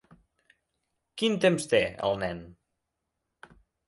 Quin temps té, el nen?